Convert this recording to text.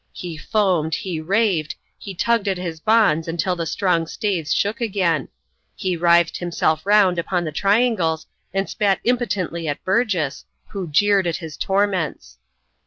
He foamed, he raved, he tugged at his bonds until the strong staves shook again; he writhed himself round upon the triangles and spat impotently at Burgess, who jeered at his torments.